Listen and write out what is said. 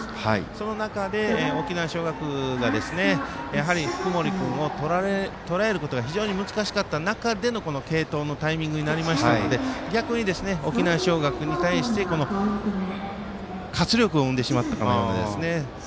その中で沖縄尚学がやはり、福盛君をとらえることが非常に難しかった中での継投のタイミングになりましたので逆に沖縄尚学に対して活力を生んでしまったんですね。